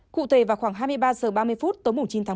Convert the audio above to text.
cụ thể vào khoảng hai mươi ba h ba mươi tối chín tháng một mươi một